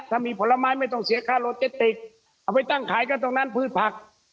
ถ้ามีผลไม้ไม่ต้องเสียค่าโลเจติกเอาไปตั้งขายกันตรงนั้นพืชผัก